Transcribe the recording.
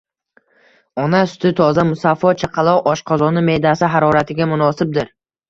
Ona suti toza, musaffo, chaqaloq oshqozoni, me’dasi haroratiga munosibdir.